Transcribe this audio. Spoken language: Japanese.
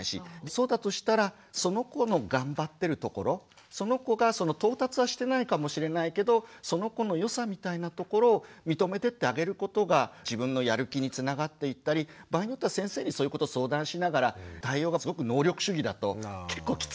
そうだとしたらその子の頑張ってるところその子が到達はしてないかもしれないけどその子のよさみたいなところを認めてってあげることが自分のやる気につながっていったり場合によっては先生にそういうこと相談しながら対応がすごく能力主義だと結構きつかったりしますよね。